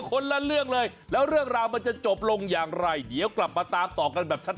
คนละเรื่องเลยแล้วเรื่องราวมันจะจบลงอย่างไรเดี๋ยวกลับมาตามต่อกันแบบชัด